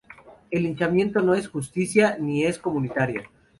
El linchamiento no es justicia ni es comunitaria.